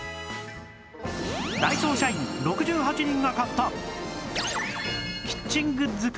ダイソー社員６８人が買った